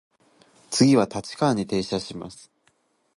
次は立川に停車いたします。